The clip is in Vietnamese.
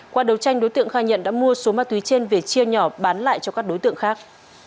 qua đấu tranh đối tượng khai nhận đã mua số ma túy trên về chia nhỏ bán lại cho các đối tượng khác